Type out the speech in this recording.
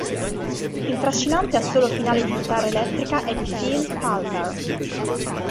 Il trascinante assolo finale di chitarra elettrica è di Phil Palmer.